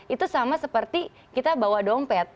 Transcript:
itu sama seperti kita bawa dompet